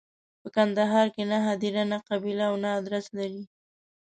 په کندهار کې نه هدیره، نه قبیله او نه ادرس لري.